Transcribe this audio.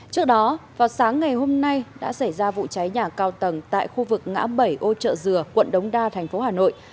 trước đó vào sáng ngày hôm nay đã xảy ra vụ cháy nhà cao tầng tại khu vực ngã bảy ô trợ dừa quận đống đa thành phố hà nội